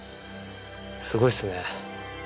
すごいですね。